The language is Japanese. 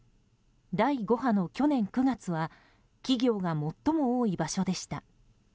第５波の去年９月は企業が最も多い場所でした。